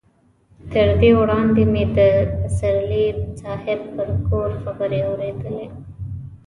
تر دې وړاندې مې د پسرلي صاحب پر کور خبرې اورېدلې.